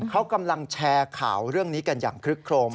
เขากำลังแชร์ข่าวเรื่องนี้กันอย่างคลึกโครม